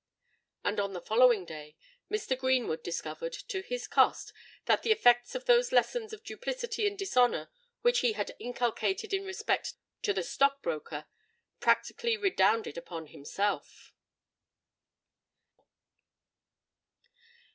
And on the following day, Mr. Greenwood discovered, to his cost, that the effects of those lessons of duplicity and dishonour which he had inculcated in respect to the stock broker, practically redounded upon himself!